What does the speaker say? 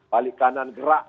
balik kanan gerak